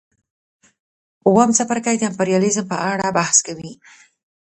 اووم څپرکی د امپریالیزم په اړه بحث کوي